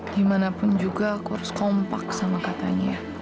dimanapun juga aku harus kompak sama katanya